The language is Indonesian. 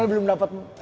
aku udah pede